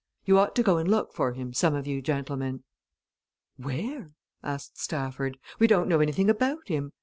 You ought to go and look for him, some of you gentlemen." "Where?" asked Stafford. "We don't know anything about him.